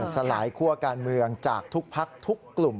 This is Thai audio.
สลายคั่วการเมืองจากทุกพักทุกกลุ่ม